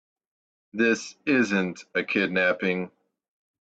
This isn't a kidnapping.